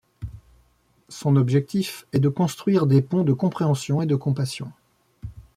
Son objectif est de construire des ponts de compréhension et de compassion.